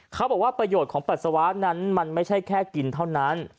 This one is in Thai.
เขาบอกว่าประโยชน์ของปัสสาวะนั้นมันไม่ใช่แค่กินเท่านั้น